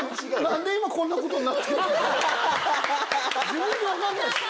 自分で分かんない。